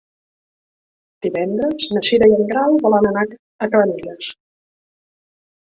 Divendres na Cira i en Grau volen anar a Cabanelles.